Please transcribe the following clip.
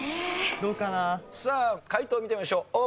さあ解答見てみましょう。